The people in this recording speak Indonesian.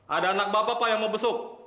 ada anak bapak pak yang mau besuk